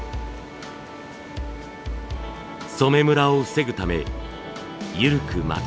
染めむらを防ぐため緩くまき